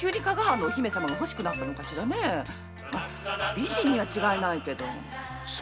美人には違いないけど。